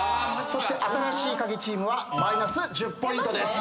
そして新しいカギチームはマイナス１０ポイントです。